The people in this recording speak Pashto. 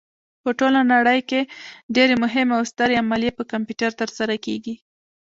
په ټوله نړۍ کې ډېرې مهمې او سترې عملیې په کمپیوټر ترسره کېږي.